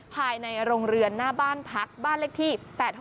ภายในโรงเรือนหน้าบ้านพักบ้านเลขที่๘๖